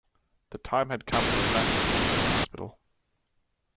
The time had come for Atlantic City to have a hospital.